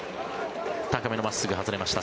高めの真っすぐ、外れました